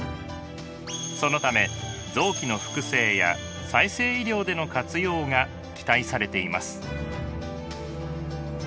そのため臓器の複製や再生医療での活用が期待されています。